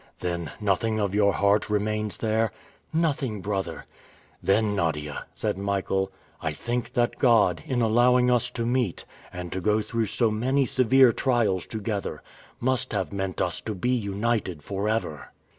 "Then, nothing of your heart remains there?" "Nothing, brother." "Then, Nadia," said Michael, "I think that God, in allowing us to meet, and to go through so many severe trials together, must have meant us to be united forever."